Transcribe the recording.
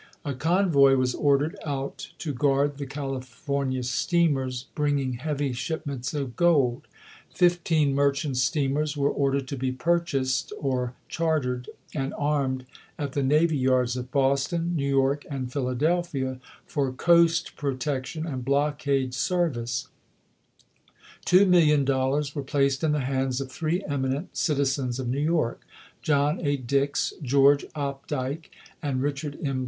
A convoy was ordered out to guard the California steamers bringing heavy shipments of gold ; fifteen merchant steamers were ordered to be purchased or chartered, and armed at the navy yards of Boston, New York, and Phila delphia for coast protection and blockade service ; two million dollars were placed in the hands of three eminent citizens of New York, John A. Dix, Greorge Opdyke, and Richard M.